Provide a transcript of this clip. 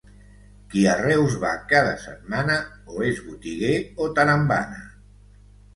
Qui a Reus va cada setmana, o és botiguer o tarambana.